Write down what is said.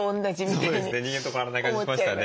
そうですね人間と変わらない感じしましたね。